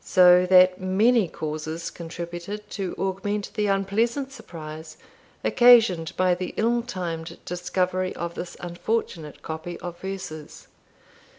So that many causes contributed to augment the unpleasant surprise occasioned by the ill timed discovery of this unfortunate copy of verses.